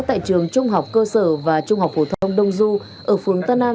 tại trường trung học cơ sở và trung học phổ thông đông du ở phường tân an